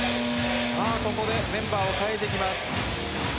ここでメンバーを代えてきます。